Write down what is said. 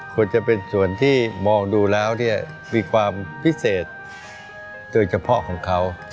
ควรจะเป็นส่วนที่มองดูแล้วเนี่ยมีความพิเศษโดยเฉพาะของเขา